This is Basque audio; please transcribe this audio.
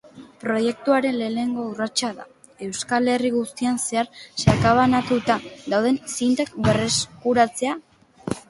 Proiektuaren lehenengo urratsa da, Euskal Herri guztian zehar sakabanatuta dauden zintak berreskuratzea.